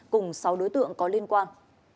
cùng sáu đối tượng có liên quan